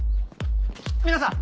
皆さん！